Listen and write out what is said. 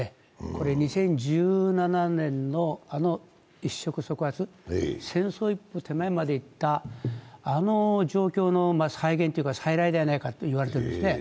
これ２０１７年のあの一触即発、戦争一歩手前までいったあの状況の再来ではないかと言われていますね。